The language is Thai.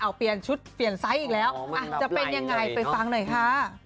เอาเปลี่ยนชุดเปลี่ยนไซส์อีกแล้วจะเป็นยังไงไปฟังหน่อยค่ะ